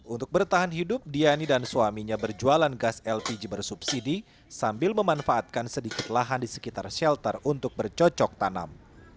untuk bertahan hidup diani dan suaminya berjualan gas lpg bersubsidi sambil memanfaatkan sedikit lahan di sekitar shelter untuk bercocok tanam